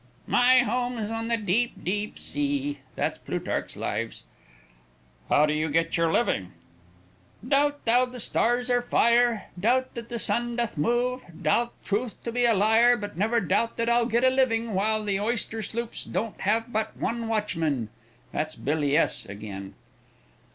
"My home is on the deep, deep sea. That's Plutarch's Lives." "How do you get your living?" "Doubt thou the stars are fire; doubt that the sun doth move; doubt truth to be a liar, but never doubt that I'll get a living while the oyster sloops don't have but one watchman. That's Billy S. again."